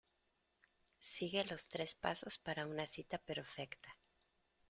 sigue los tres pasos para una cita perfecta.